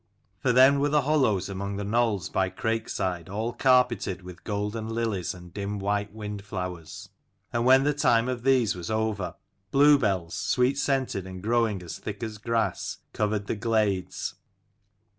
For then were the hollows among the knolls by Crake side all carpeted with golden lilies and dim white wind flowers. And when the time of these was over, bluebells, sweet scented, and growing as thick as grass, covered the glades.